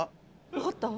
分かった？